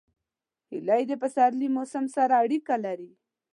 هیلۍ د پسرلي موسم سره اړیکه لري